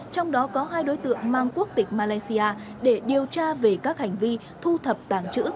trong đó có hai đối tượng mang quốc tịch malaysia để điều tra về các hành vi thu thập tàng trữ